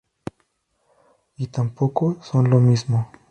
Y tampoco son lo mismo.